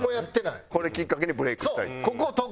これきっかけにブレイクしたいっていう。